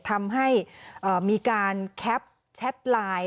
ทำให้มีการแคปแชทไลน์